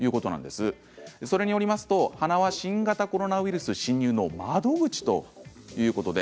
それによりますと鼻は新型コロナウイルス侵入の窓口ということで。